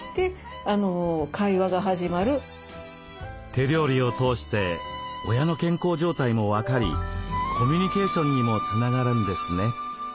手料理を通して親の健康状態も分かりコミュニケーションにもつながるんですね。